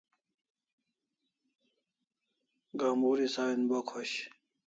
Gamburi sawin bo khosh